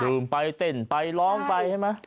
ไปเต้นไปร้องไปใช่ไหม